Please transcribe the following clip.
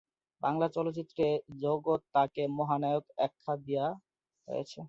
বাংলা চলচ্চিত্রে জগতে তাঁকে 'মহানায়ক' আখ্যা দেওয়া হয়েছে।